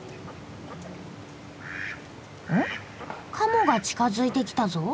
カモが近づいてきたぞ。